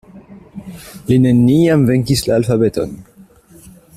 Li neniam venkis la alfabeton.